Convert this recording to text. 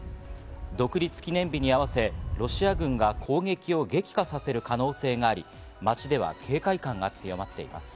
独立記念日に合わせロシア軍が攻撃を激化させる可能性があり、街では警戒感が強まっています。